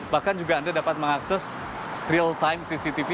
bahkan juga anda dapat mengakses real time cctv